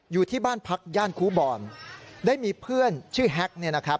อยู่ที่บ้านพักย่านครูบอลได้มีเพื่อนชื่อแฮ็กเนี่ยนะครับ